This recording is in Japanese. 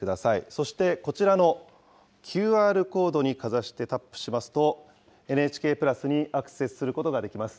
そしてこちらのＱＲコードにかざしてタップしますと、ＮＨＫプラスにアクセスすることができます。